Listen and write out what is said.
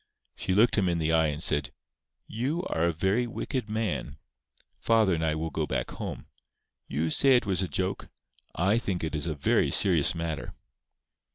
She looked him in the eye, and said: "You are a very wicked man. Father and I will go back home. You say it was a joke? I think it is a very serious matter."